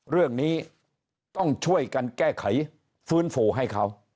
เรื่องนี้ต้องช่วยกันแก้ไขฟื้นฟูให้เขา